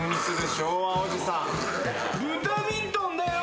ブタミントンだよ。